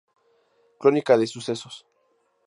Crónica de sucesos".